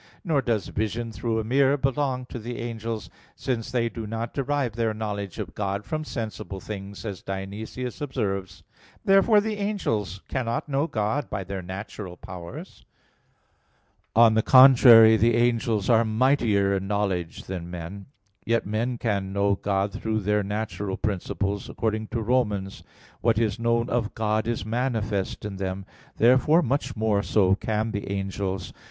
Nor does vision through a mirror belong to the angels, since they do not derive their knowledge of God from sensible things, as Dionysius observes (Div. Nom. vii). Therefore the angels cannot know God by their natural powers. On the contrary, The angels are mightier in knowledge than men. Yet men can know God through their natural principles; according to Rom. 1:19: "what is known of God is manifest in them." Therefore much more so can the angels.